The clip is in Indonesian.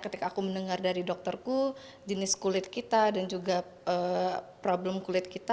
ketika aku mendengar dari dokterku jenis kulit kita dan juga problem kulit kita